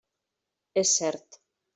És cert.